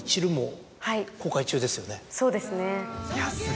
そうですね。